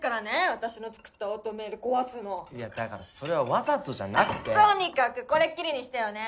私のつくったオートメイル壊すのいやだからそれはわざとじゃなくてとにかくこれっきりにしてよね